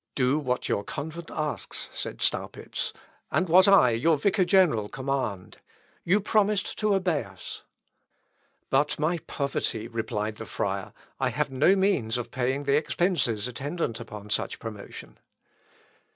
"Do what your convent asks," said Staupitz, "and what I, your vicar general, command. You promised to obey us." "But my poverty," replied the friar. "I have no means of paying the expences attendant on such promotion."